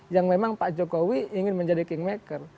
yang memang pak jokowi ingin menjadi kingmaker